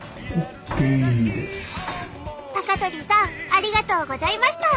高鳥さんありがとうございました！